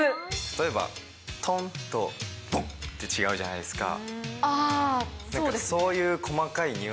例えば、とんと、ぼんって違うじゃないですか。